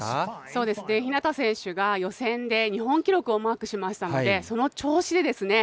そうですね日向選手が予選で日本記録をマークしましたのでその調子でですね